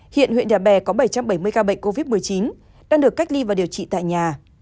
hiện huyện nhà bè có bảy trăm bảy mươi ca bệnh covid một mươi chín đang được cách ly và điều trị tại nhà